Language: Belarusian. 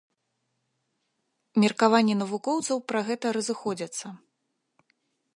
Меркаванні навукоўцаў пра гэта разыходзяцца.